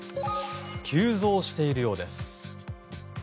急増しているようです。